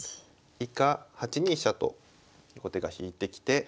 以下８二飛車と後手が引いてきて。